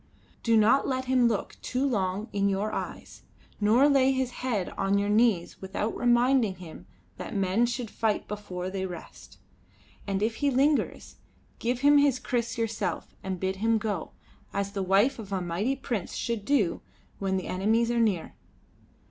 "Do not let him look too long in your eyes, nor lay his head on your knees without reminding him that men should fight before they rest. And if he lingers, give him his kriss yourself and bid him go, as the wife of a mighty prince should do when the enemies are near.